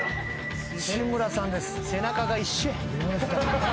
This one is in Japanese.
志村さんです。